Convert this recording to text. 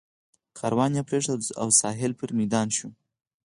کاروان یې پرېښود او سهیل پر میدان شو.